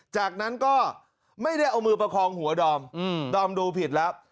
จากนั้นก็ไม่ได้เอามือประคองหัวดอมดอมดูผิดแล้ว